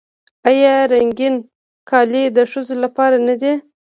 آیا رنګین کالي د ښځو لپاره نه دي؟